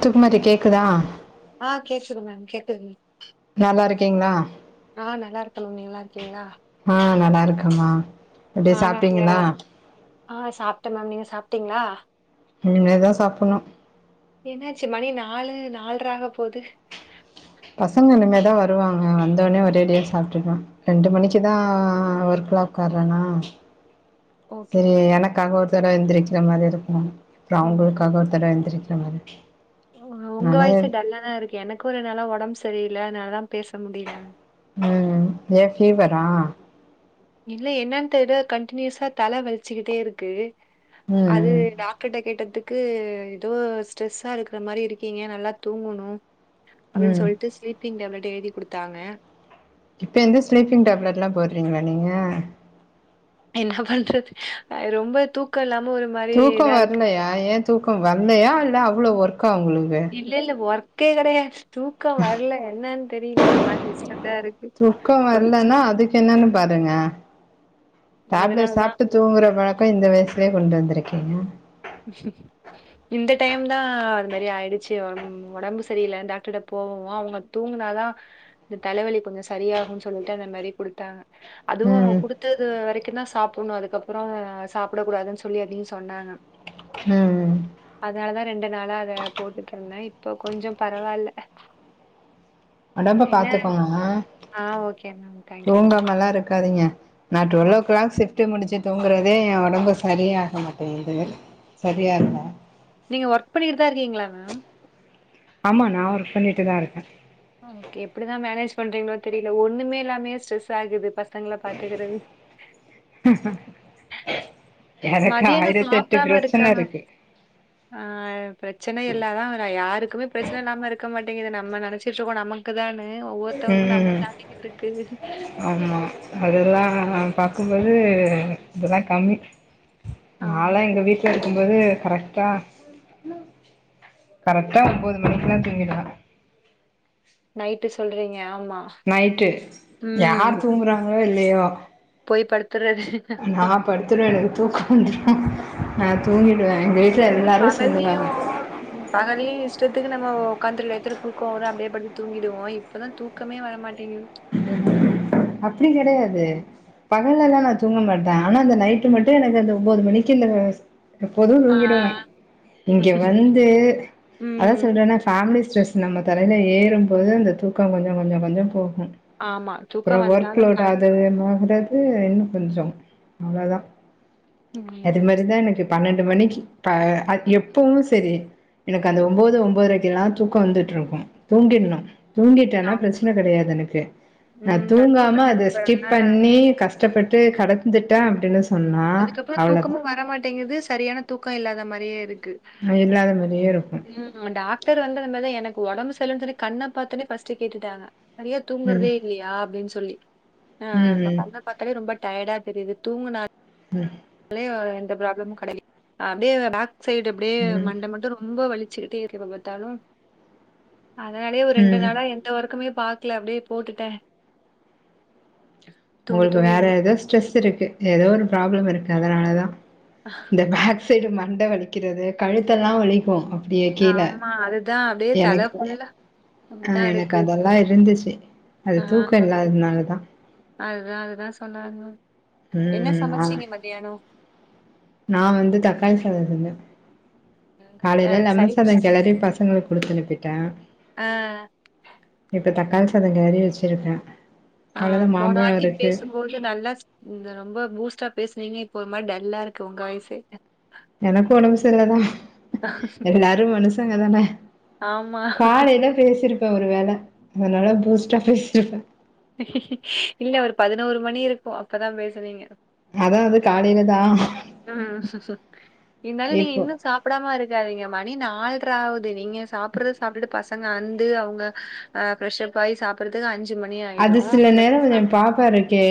துக்குமதி கேக்குதா ஆஹ் கேக்குது மேம் கேக்குதுங்க ஓகேங்களா ஆஹ் நல்லா இருக்க மேம் நீங்க நல்லா இருக்கீங்களா ஆ நல்லா இருக்கமா எப்டி சாப்பிட்டீங்களா ஆஹ் சாப்பிட்டேன் மேம் நீங்க சாப்பிட்டீங்களா இனிமேதா சாப்பிடணும் என்னாச்சு மணி நாலு நால்றையாக போகுது பசங்க இனிமேதா வருவாங்க வந்தோடனே ஒரேடியா சாப்டுக்கலா ரெண்டு மணிக்கு தா ஒர்க ப்ளாகர்றேண்ணா ஓகே சேரி ஓகே எனக்காக ஒருத்தர் எந்திருக்குற மாதிரி இருக்கும் அப்புறம் ம் அவுங்களுக்காக ஒருத்தர் எந்திருக்க [unintelligible] உங்க வாய்சே டல்லா தா இருக்கு எனக்கு ஒரு நாளா உடம்பு சரியில்ல அதனால தான் பேச முடியல உம் ஏன் ஃபீவரா இல்ல என்னன்னு தெரியல கண்டினியூஸா தலை வலிச்சிக்கிட்டே இருக்கு ம் அது ம், டாக்டர்க்கிட்ட கேட்டது க்கு ஏதோ ஸ்ட்ரெஸ்ஸா இருக்குற மாதிரி இருக்கீங்க நல்லா தூங்கணும் அப்படின் ம் சொல்லிட்டு ஸ்லீப்பிங் டேப்லெட் எழுதி குடுத்தாங்க இப்ப வந்து ஸ்லீப்பிங் டேப்லெட் எல்லாம் போடுறீங்களா நீங்க என்ன பண்றது ரொம்ப தூக்கம் இல்லாம ஒரு மாரி தூக்கம் இதா இருக்கு வரலையா ஏன் தூக்கம் வரலையா இல்ல அவ்ளோ ஒர்க்கா உங்களுக்கு அப்டி கிடையாது தூக்கம் வரல என்னன்னு தெரியல ஒரு மாரி டிஸ் தூக்கம் வரலன்னா அதுக்கு என்னன்னு பாருங்க டேப்லெட் அதனாலதான் சாப்ட்டு தூங்குற பழக்கம் இந்த வயசுலயே கொண்டு வந்திருக்கீங்க இந்த டைம்தா அது மாதிரி ஆயிடுச்சு உடம்பு சரியில்ல டாக்டர் போ போவோம் அவுங்க தூங்கினாதா இந்த தலைவலி கொஞ்சம் சரியாகும்ன்னு சொல்லிட்டு அந்த மாதிரி குடுத்தாங்க அதுவும் அவுங்க ம் குடுத்தது வரைக்கும் தான் சாப்ப டணும் அதுக்கப்புறம் சாப்பிடக் கூடாதுன்னு சொல்லி அதையும் சொன்னாங்க ம் அதனாலதா ரெண்டு நாளா அத போட்டுட்டு இருந்தேன் இப்போ கொஞ்சம் பரவாயில்ல உடம்ப என்ன பாத்துக்கோமா ஆ ஓகே மேம் தேங்க்யூ மேம் தூங்காமல்லா இருக்காதீங்க நா டுவெல்லோக்ளாக் சி சிஃப்ட்டு முடிச்சு தூங்குறதே என் உடம்பு சரியாக மாட்டேன்குது இது சரியா இருக்கா நீங்க ஒர்க் பண்ணியிட்டுதா இருக்கீங்ளா மேம் ஆமா நா ஒர்க் பண்ணிட்டுதா இருக்க ஆ ஓகே எப்படிதா மேனேஜ் பண்றீங்ளோ தெரியில ஒண்ணுமே எல்லாமே ஸ்ட்ரெஸ்ஸாகுது பஸ் சங்கள பாத்துக்குறது ஹ மதியாணொ சாப்டாம இருக்காங்க இருக்கு ஆ ப்ரச்சன எல்லாதா ஆ யாருக்குமே ப்ரச்சன இல்லாம இருக்க மாட் டிங்கிது நம்ம நெனச்சிட்ருக்கோ நமக்கு தானு ம் ஆமா அதுல்லா பாக்கம்போது இதுதா கம்மி ஆமா. நால்லா எங்க வீட்ல இருக்கம் போது கரெக்ட்டா கரெக்ட்டா ஒம்போது மணிக்குல்லா தூங்கிடுவ நைட்டு சொல்றீங்க ஆமா. நைட்டு யார் ம். தூங்குறாங்களோ இல்லையோ போய் படுத்துறது. நா படுத்துருவே எனக்கு தூக்கொ வந்த்ரு நா தூங்கிட் அதே மேரி பகல்லியு பகல்லியு இஷ்டத் துக்கு நம்மொ ஒக்காந்த்ர டைத்துல தூக்கொ வரு அப்டியே படுத்து தூங்கிடுவோ இப்பதா தூக்கமே வர மாட்டேங்கிது அப்டி கெடையாது பகல்லலா நா தூங்க மாட்ட ஆனா அந்த நைட்டு மட்டு எனக்கு அந்த ஒம்போது மணிக்கி இந்த ஸ் எப்போது ஆ. தூங்கிடுவ இங்கெ வந்து அதா ம். சொல்றன ஃபேம்லிஸ் ஸ்ட்ரெஸ் நம்ம தலையில ஏறும்போது அந்த தூக்கொ கொஞ்சங் கொஞ்சங் கொஞ்சொ போஹு ஆமா தூக்கோ அப்றொ ஒர்க் வந்தாலும் லோட் தலை அதிகமாறது இன்னு கொஞ்சொ அவ்ளோதா அது ம் மாரிதா சரி எனக்கு பன்னெண்டு மணிக்கி ப எப்பவு செரி எனக்கு அந்த ஒம்போது ஒம்போதரைக்கில்லா தூக்கொ வந்துட்ருக்கு தூங்கிட்ணு தூங்கிட்டன்னா ஆமா ப்ரச்சனக் கடையாது எனக்கு நா ம் தூங்காம தூக்கத்துல அத இப்ப ஸ்கிப் பண்ணி கஸ் டப்பட்டு கடக்குந்துட்ட அப்டின்னு சொன்னா அதுக்கப்றொ அவ்ளோதா தூக்கமு வரமாட்டேங்கிது சரியான தூக்கொ இல்லாத மாரியே இருக் கு இல்லாத மாரியே இருக்கு ம் டாக்டர் வந்து அந்த மாரிதா எனக் பொ ஒடம்பு சயில்லன் சொல்லி கண்ணப் பாத்தொன்னே ஃபஸ்ட்டு கேட்டுட்டாங்க நறைய ம் தூங்குறதே இல்லையா அப்டின் சொல்லி ஆ அதா ம் கண்ணப் பாத்தாலே ரொம்ப டயடா தெரியுது தூங்குனா ம் லே எந்த ப்ராப்ளமு கடலி அ அப்டே பேக் சைடு அப்டே ம் மண்ட மட்டு ரொம்ப வலி சிக்கிட்டே இருக்கு எபெப பாத்தாலு அதனாலயே ஒரு ரெண்டு ம் நாளா எந்த ஒர்க்குமே பாக்ல அப்டே போட்டுட்ட உங்களுக்கு வேற ஏதோ ஸ்ட்ரெஸ் இருக்கு ஏதோ ஒரு ப்ராப்ளம் இருக்கு அதனாலதா இந்த பேக் சைடு மண்ட வலிக்கிறது கழுத்தெல்லா வலிக்கு அ ப்டியே கீழ ஆமா அதுதான் அப்டியே தல எனக் ஃபுல்லா ஆ அப்டிதான் எனக்கு இருக்கு அதெல்லா இருந்துச்சி அது ஆ தூக்கொ இல்லாதத்னாலதா ஆ அததா சொன்னாங்க என்ன ம் ஆ சமச்சீங்க மதியானொ நா வந்து தக்காளி சாதொ செஞ்ச அ காலைல லெமன் சாதொ சைடிஷ் கெளறி பசங்களுக் குடுத்து அனுப்பிட்ட அ இப்ப தக்காளி சாதொ கெளறி வச்சிருக்க ஆ போன வாட்டி பேசம்போது நல்லாஸ் இந்த ரொம்ப பூஸ்ட்டா பேசுனீங்க இ ப்போ ஒர் மாரி டல்லா இருக்கு உங்க வாய்ஸே எனக்கு ஒடம்பு சர்லதா எல்லாரு மனுசங்க தான ஆமா காலைல பேசிருப்ப ஒரு வேல அதுனால பூஸ்ட்டா பேசிருப்ப இல்ல ஒரு பதினோரு மணி இருக்கு அப்பதா பேசுனீங்க அதா அது காலைல தா இந்தாலு நீங்க இப்போ இன்னு சாப்புடாம இருக்காதீங்க மணி நால்ராவுத் நீங்க சாப்புற்றது சாப்ட்டுட்டு பசங்க வந்து அவுங்க அ ஃபிரஷ்ஷப் ஆகி சாப்புற்றதுக்கு அஞ் அது சில நேரொ இது எ பாப்பாருக்கே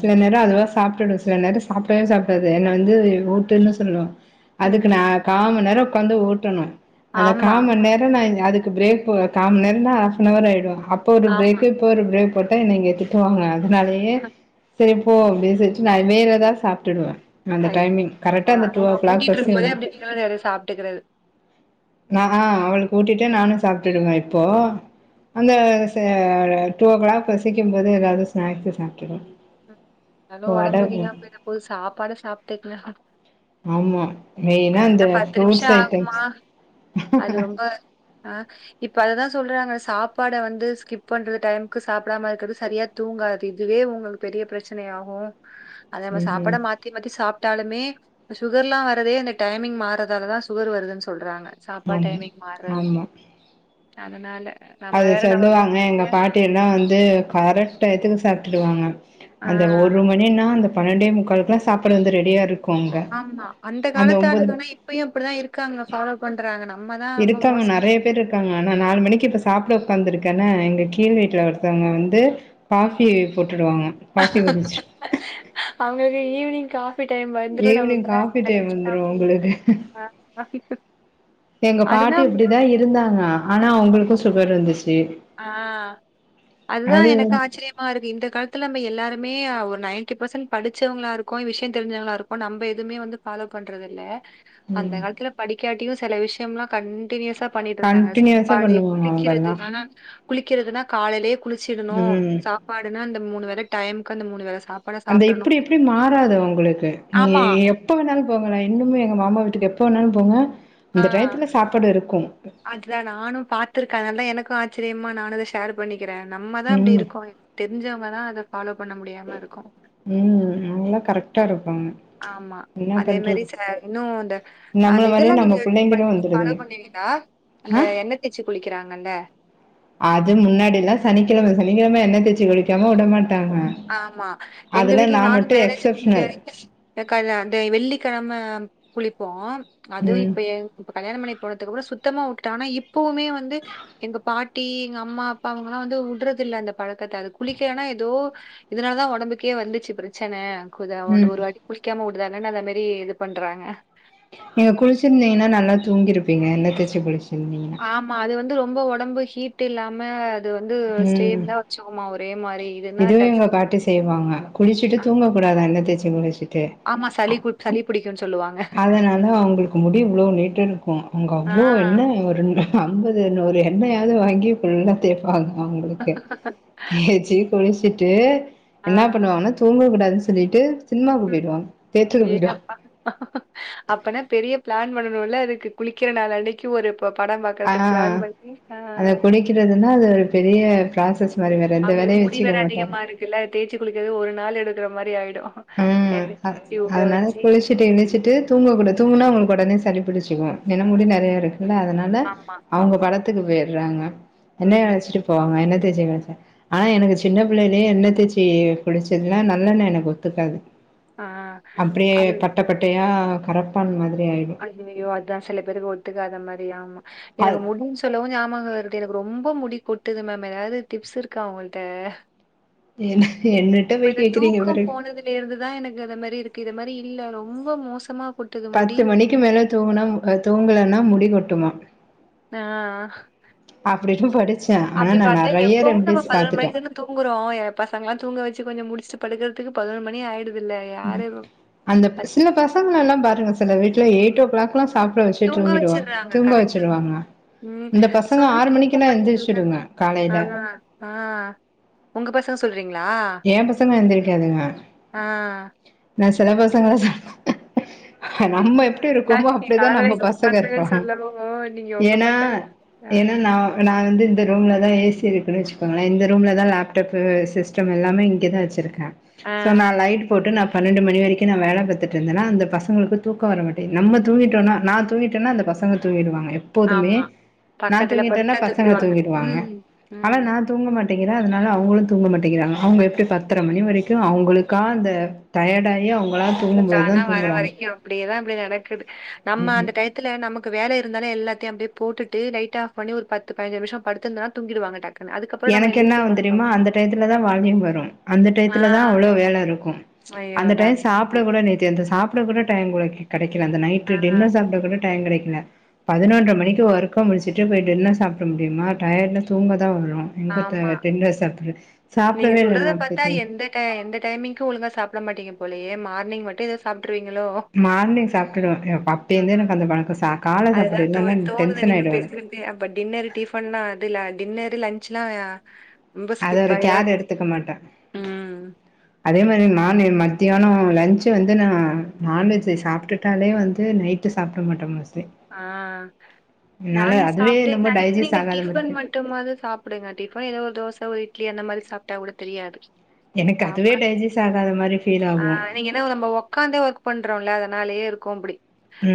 சில நேரொ அதுவா சாப்ட்டு சில நேரொ சாப்டவே சாப்டாது என்ன வந்து ஊட்டுன்னு சொல்லிடு அதுக்கு ம். நா கா மண் நேர உக்காந்து ஊட்டணு அந்த கா ஆமா, மண் நேர நா இந்த அதுக் பிரேக் போ காம் நேரதா ஆஃப் நவர் ஆயிடு அப்போ ஒரு ஆமா. பிரேக்கு இப்ப ஒரு ப்ரேவ் போட்டா என்ன இங்க திட்டுவாங்க அதனாலயே சேப் ஓ மேசேச் நா அத் மேல தா சாப்ட்டுடுவ அந்த ஐயோ! டைமிங் கரக்டா அந்த டூ ஓ அவங்க க்ளாக் ஊட்டிட்டு பஸ்சே இருக்கும்போதே வந்து அப்படி கீழ எறங்கி சாப்பிட்டுக்கிறது. நாதா அவளுக் ஊட்டிட்டு நானு சாப்ட்டுடுவ இப்போ அந்த சே ற டூ ஓ க்ளாக்கு பசிக்கும்போது எதாது ஸ்நேக்ஸ்ஸு சாப்ட்டுடு நல்ல ஒடம்பு வீனா பெய்ட போது சாப்பாட சாப்ட்டுக்ங்க ஆமா மெயினா இந்த ஃப்ரூட்ஸ் நிமிஷம் ஆகுமா? ஐட்டம்ஸ் அது ரொம்ப அ இப்ப அததா சொல்றாங்க சாப்பாட வந்து ஸ்கிப் பண்ற டைம்க்கு சாப்டாம இர்க்கற்து சரியா தூங்காதது இதுவே உங்களுக் பெரிய பிரச்சனை ஆகு அத நம்ம ம் ம் சாப்பாட மாத்தி மாத்தி சாப் டாலுமே சுகர்ல்லா வரதே அந்த டைமிங் மாறதால தா சுகர் வருதுன் சொல்றாங்க சாப்பா ஆமா டைமிங் மாற்றது ஆமா அதனால நம்ம அது வேற நமக்கு சொல்லுவாங்க எங்க நிறைய பாட்டி எல்லா வந்து கரக்ட் எயத்துக்கு சாப்ட்டுடுவாங்க அந்த ஆ. ஒரு மணினா அந்த பன்னண்டே முக்காலுக்குலா சாப்பாடு வந்து ரெடியாருக் ஆமா அந்த காலத்து ஆளுங்கனா இப்பயு அப்படுதா இருக்காங்க ஃபாலோ பண்றாங்கனா இருக்காங்க நறய பேர் இர்க்காங்க நா நாலு மணிக்கு இப்ப சாப்ட உக்காந்துரு கனா எங்க கீழ் வீட்ல ஒரர்த்தங்க வந்து ம். பாஃபி போட்டுடுவாங்க காஃபி போட் வச்ரு அவுங்கவே ஈவினிங்கா டைம் வந்துரு ஈவினிங் காஃபி நம்க்கு டைம் வந்துரு உங்களுக்கு தா [inaudible] எங்க பாட்டி அப்டிதா இருந்தாங்க ஆனா அவுங்ளுக்கு சுகர்ருந்துச் அ அதுதா அது எனக்கு ஆச்சிரியமா இருக்கு இந்த காலத்துல அம்ம எல்லாரு மே அ ஒரு நைன்டி பர்சன்ட் படிச்சவ்ங்ளா இருக்கோ விஷ்ய தெரிஞ்சவ்ங்ளாருக்கோ நம்ப எதுமே வந்து ஃபாலோ பண்றது இல்ல அந்த ம் காலத்துல படிக்காட்டியு செல விஷ்யம்லா கண்டினிய்ஸா பண்ணிட்டு இருந்தாங்க கண்டினியூஸா சிப்பாடி பண்ணுவாங்க ப்ளிக்கிறது அவங்கல்லா ஆனா குளிக்கிறதுனா காலலே குளிச்சிட்டனு ம் சாப்பாடுனா இந்த மூணு வேல டைம்க்கு அந்த மூணு வேல அந்த இப்புடி இப்பு டி மாறாது ஒங்களுக்கு நீ ஆமா. எப்ப வேண்ணாலு போங்கநா இன்னுமே எங்க மாமா வீட்டுக்கு எப்ப போனாலு போங்க ஆ அந்த டயத்துல சாப்பாடு இருக்கு அத்ல நானு பாத்துர்க்க அத்னால் தா எனக்கு ஆச் சிரியமா நானு அத ஷேர் பண்ணிக்கிறே நம்ம தா இப்டி ம் இருக்கோஎ தெர்ஞ்சவ்ங்கனா அத ஃபாலோ பண்ண முடியாம இருக்கோம். ம் அவுங்லா கரக்டா இருப்பாங்க ஆமா என்ன அதே மேரி பண்றது ச இன்னு அந்த நம்மள அந்த இதெல்லா மாரியே நம்ம நீங்க எடுத்து புள்ளைங்களு பண் ஃபாலோ வந்துடுதுங்க பண்ணிங்க லா அந்த ஆ எண்ண தேச்சு குளிக்கிறாங்கல்ல அது முன்னாடில்லா சனிக்கெழம சனிக்கெழம எண்ண தேச்சி குளிக்காம உடமாட் ஆமா எங்க வீட்ல நானு மட்டு மேரேஜுக்கு முன்னடி எக்சப்ஷனல் வரக்க டக்கால்யா அந்தே வெள்ளிக்கழம குளிப்போ அதுவு ம் இப்ப ஏ இப்ப கல்யாண பண்ணி போனதுக்கப்றொ சுத்தமா உட்டுட்ட ஆனா இப்பவுமே வந்து எங்க பாட்டி எங்க அம்மா அப்பா அவுங்கலா வந்து உட்றது இல்ல அந்த பழக்கத்த அது குளிக்கலனா ஏதோ இதனால தா ஒடம்புக்கே வந்துச்சு பிரச்சன கு த ஒன்ன ம் ஒரு வாட்டி குளிக்காம உட் தன்னன் அத மேரி இது பண்றாங்க நீங்க குளிச்சிருந்தீங்கன்னா நல்லா தூங்கிருப்பீங்க என்ன தேச்சி குளிச் ஆமா அது வந்து ரொம்ப உடம்பு ஹீட் இல்லாம இது வந்து ம் ஸ்டேபிலா வச்சுக்குமா ஒரே மாரி இதுன்னா இதுவு எங்க டக்கு அதா எண்ணெ தேச் ஆமா சளி கு சளி புடிக்குன்னு சொல்லுவாங்க அதனால அவங்களுக்கு முடி இவ்ளோ நீட்டு இருக்கு அவங்க ஆ, அவ்ளோ எண்ணெ ஒரு அம்பது இது நூரு எண்ணெயாவது வாங்கி ஃபுல்லா தேய்பாங்க அவங்களுக்கு தேச்சி குளிச் சிட்டு என்ன பண்ணுவாங்கன்னா தூங்கக் கூடாதுன்னு சொல்லிட்டு சினிமாவுக்கு ம் போயிடுவாங்க தேட்டருக்கு அடே போயிடுவாங்க அப்பா அப்பனா பெரிய பிளான் பண்ணணுல்ல அதுக்கு குளிக்கிற நாள் அன்னைக்கு ஒரு ப- படம் ஆ பாக்கறதுக்கு பிளான் பண்ணி ஆ, அத குளிக்கிறதுன்னா அது ஒரு பெரிய ப்ராசஸ் மாரி வேற எந்த அவங்களுக்கு வேலையு முடி வச்சுக்க வேற மாட்டாங்க அதிகமா இருக்குல்ல தேச்சு குளிக்கிறது ஒரு நாள் எடுக்கற மாரி ஆயிடு ம் அதனால குளிச்சுட்டு இழிச்சிட்டு தூங்கக்கூடாது தூங்கனா அவங்களுக்கு உடனே சளி புடிச்சிக்கு ஏனா முடி நெறைய இருக்குல்ல அதனால ஆமா அவங்க ஆமா படத்துக்கு போ யறாங் என்னயு உம் அழச்சிட்டு போவாங்க என்னது தேச்சி குளிச்ச ஆனா எனக்கு சின்ன புள்ளையிலயே எண்ணெ தேச்சி குளிச்சதுல நல்லெண்ண எனக்கு ஒத் துக்காது ஆ அப்படியே அது பட்டை பட்டையா கரப்பான் மாதிரி ஆயிடு அய்யய்யோ அதா சில பேருக்கு ஒத்துக்காத மாரி ஆமா எனக்கு அது முடின்னு சொல்லவு ஞாபக வருது எனக்கு ரொம்ப முடி கொட்டுது மேம் ஏதாவது டிப்ஸ் இருக்கா உங்கள்ட்ட என்ன என்னிட்ட இப்ப போய் இந்த கேக்குறீங்க தூக்கம் பாருங்க போனதுல இருந்துதா எனக்கு அத மாரி இருக்கு இத மாரி இல்ல ரொம்ப மோசமா கொட்டுது முடி பத்து மணிக்கு மேல தூங்கனா தூங்கலேன்னா முடி கொட்டுமா ஆ ஆ அப்டி எதுவு ப அப்டி பாத்தா எப்பவு நம்ம பதினோறு மணிக்கு தானே தூங்குறோ பசங்க எல்லா தூங்க வச்சு கொஞ்ச முடிச்சுட்டு படுக்றதுக்கு பதினோரு மணி ஆயிட்து ம் அந்த சில பசங்கள எல்லா பாருங்க சில வீட்ல எயிட் ஓ கிளாக் எல்லா சாப்ட வச்சி தூங்க தூங்கிடுவாங் வச்சிர்றாங்க தூங்க கரெக்டா வச்சுடுவாங்க ம் சொன்ன கேட்க மாட்டேங்குதுங்க எந்திரிச்சிடுங்க ஆ காலையில ஆ உங்க பசங்க சொல் ஏ பசங்க எந்திரிக்காதுங்க ஆ நா ஸ் சில பசங்கள சொன் ஆ நம்ம எப்டி இருக்கோமோ அப்டிதா நம்ம பசங்க இருப்பாங்க சொல்லவு நீங்க உங்க ஏன்னா பசங்க ஆ ஏன்னா நா நா வந்து இந்த ரூம்ல தா ஏ சி இருக்குன்னு வச்சுக்கோங்களே இந்த ரூம்ல தா லேப்டாப்பு சிஸ்டம் எல்லாமே இங்க தா வச்சிருக் கே ஆ சோ நா லைட் போட்டு நா பன்னெண்டு மணி வரைக்கு நா வேல பாத்துட்டு இருந்தேனா அந்த பசங்களுக்கு தூக்க வர மாட் நம்ம தூங்கிட்டோனா நா தூங்கிட்டேனா அந்த பசங்க தூங்கிடுவாங்க எப்போதுமே ஆமா நா பக்கத்துல தூங்கிட்டேன்னா படுத்தா பசங்க தூக்கிடுவாங்க தூங்கிடுவாங்க ம் ஆனா ம் நா தூங்க மாட் டேக்கிறே அதனால அவங்களு தூங்க மாட்டேங்கிறாங்க அவங்க எப்டி பத்தரை மணி வரைக்கு அவங்களுக்கா அந்த டையர்டாயி கூப்ட்டு தானா வர வரைக்கு அப்டியேதா அப்டி நடக்குது நம்ம அந்த டையத்துல நமக்கு வேலைய இருந்தாலு எல்லாத்தையு அப்டியே போட்டுட்டு லைட் ஆப் பண்ணி ஒரு பத்து பாஞ்சு நிமிஷ படுத்திருந்தனா தூங்கிடுவாங்க டக்குனு எனக்கு என்னாவு தெரியுமா அந்த டயத்துலதா வால்யூம் வரு அந்த ஆ டையத்துலதா அவ்ளோ வேல இருக்கு ஐயோ [unintelligible] சாப்டக்கூட நேத்து அந்த சாப்ட கூட டைம் கடைக்கல அந்த ஆ நைட்டு டின்னர் சாப்ட கூட டைம் கடைக்கல ம் பதினொன்ற மணிக்கு வொர்க்க முடிச்சுட்டு போய் டின்னர் சாப்ட முடியுமா டையர்ட்ல தூங்கதா வரு எங்கத்த ஆமா டின்னர் சாப் நீங்க சொல்றத பாத்தா எந்த எந்த டைமிங்க்கு ஒழுங்கா சாப்ட மாட்டீங்க போலயே மார்னிங் மட்டு எதோ சாப் மார்னிங் சாப்ட்டுடுவே அப்பேந்தே ம் எனக்கு அந்த பழக்க சாப் அதுதா தோ தோணுது நீங்க பேசுறப்பே அப்ப டின்னர்ரு டிஃபன்னா அதுல டின்னர் லன்ச்லா ரொம்ப அது ஸ்கிப் ஒரு ஆயிதா கேர் எடுத்துக்க மாட்ட ம் அதே மாரி நான் எ மத்தியான லன்ச்சு வந்து நா நான்வெஜ் சாப்ட்டுட்டாலே வந்து நைட்டு சாப்ட மாட்டே மிஸ் ஆ நான்வெஜ் அதுவே சாப்ட்டே என்னமோ நைட் டைஜஸ்ட் நீங்க ஆகாத மாரி டிஃபன் ஃபீல் மட்டுமாது சாப்டுங்க டிஃபன் எதோ ஒரு தோச ஒரு இட் லி அந்த மாரி சாப்ட்டா கூட தெரியாது எனக்கு அதுவே சாப்படாம டைஜஸ்ட் ஆகாத மாரி ஃபீல் ஆ ஆகு நீங்க எதோ நம்ம ஒக்காந்தே ஒர்க் பண்றோல அத னாலேயே இருக்கு அப்டி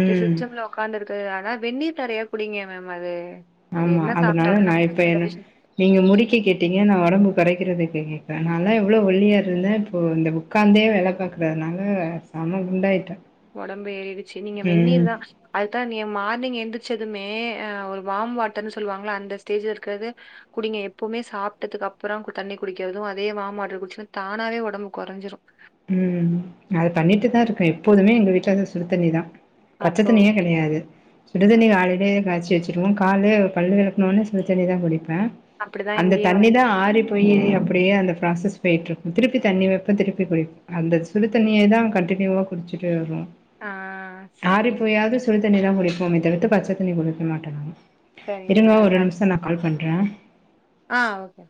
இந்த சிஸ்டம்ல உக்காந்துருக்கு அதனா வெந்நீர் நறையா குடிங்க மேம் அது அது ஆமா என்ன அதனால சாப்ட்டாலும் நா நமக்கு இப்ப டக்குனு என்ன டைஜஷன் நீங்க முடிக்க கேட்டிங்க நா ஒடம்ப கொறைக்றதுக் கு கேக்ற நாலா எவ்ளோ ஒல்லியா இருந்த இப்போ இந்த உக்காந்தே வேல பாக்குறதுனால செம குண்டாயிட்ட ஒடம்பு ஏறிருச்சு நீங்க வென்னீர்தா அதுதா நீங்க மார்னிங் எந்திரு ச்சுதுமே ஒரு வாம் வாட்டர்னு சொல்வாங்கள அந்த ஸ்டேஜ்ல இருக்கறத குடிங்க எப்பவுமே சாப்ட்டதுக் கப்பற தண்ணி குடிக்கிறது அதே வாம் வாட்டர் குடிச்சுனு தானாவே ஒடம்பு கொறஞ்சிரு ம் அது பண்ணிட்டுதா இருக்கே எப்போதுமே எங்க வீட்ல வந்து சுடுத்தண்ணிதா பச்ச அப்போ தண்ணியே கெடையாது ஆ சுடுதண்ணி காலைலிலயே காச்சி வச்சு வச்சுருவோ காலலயே பல்லு வெளக்குன உனே சுடுதண்ணிதா குடிப்பே அப்படிதான் அந்த இங்கேயும் தண்ணிதா ஆறி போயி அப்டியே அந்த ப்ராசஸ் போய்ட்ருக்கு திருப்பி தண்ணி வப்பே திருப்பி குடிப்பே அந்த சுடுதண்ணிய தா கண்டினியூவா குடிச்சுட்டே வருவோ ஆ ஆறி சரிங்க போயாவுது சுடு தண்ணிதா குடிப்போமே தவித்து பச்ச தண்ணி குடிக்க மாட்டோ மேம் சரிங்க இருங்க மேம் ஒரு அதனால நிம்ஷ நா கால் பண்ற ஆ ஓகே